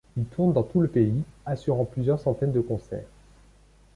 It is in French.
Il tourne dans tout le pays, assurant plusieurs centaines de concerts.